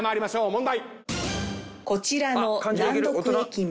問題。